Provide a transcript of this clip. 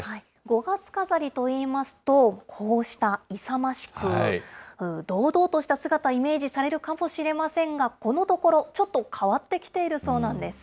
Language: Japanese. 五月飾りといいますと、こうした勇ましく、堂々とした姿、イメージされるかもしれませんが、このところ、ちょっと変わってきているそうなんです。